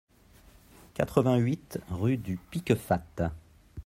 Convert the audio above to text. quatre-vingt-huit rue du Piquefate